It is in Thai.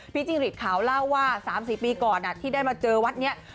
จิ้งหลีดขาวเล่าว่า๓๔ปีก่อนที่ได้มาเจอวัดนี้